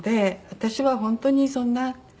私は本当にそんな